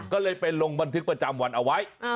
ก็เลยไปลงบันทึกประจำวันเอาไว้